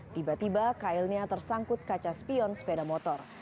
tiba tiba kailnya tersangkut kaca spion sepeda motor